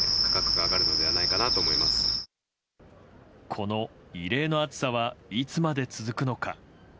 この異例の暑さはいつまで続くのか。